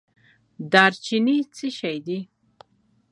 دارچینی څه شی دی؟